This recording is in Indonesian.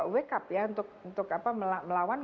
wake up ya untuk melawan